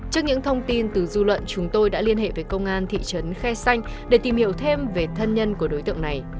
trước những thông tin từ dư luận chúng tôi đã liên hệ với công an thị trấn khe xanh để tìm hiểu thêm về thân nhân của đối tượng này